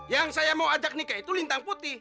yang saya mau ajak nikah itu lintang putih